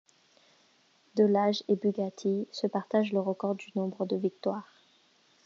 Delage et Bugatti se partagent le record du nombre de victoires.